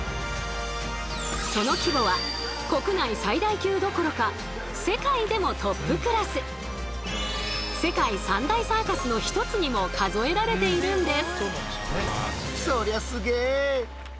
その規模は国内最大級どころか世界３大サーカスの一つにも数えられているんです。